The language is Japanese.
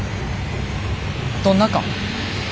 どんなか？